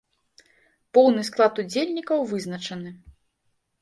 Поўны склад удзельнікаў вызначаны.